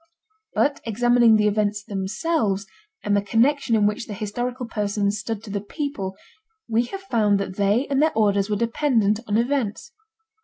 But examining the events themselves and the connection in which the historical persons stood to the people, we have found that they and their orders were dependent on events.